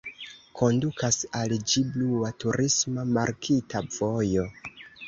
Kondukas al ĝi blua turisma markita vojo.